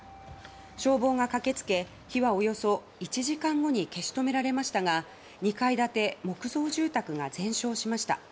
消防が駆けつけ火はおよそ１時間後に消し止められましたが２階建て木造住宅が全焼しました。